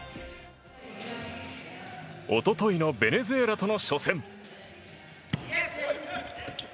一昨日のベネズエラとの初戦。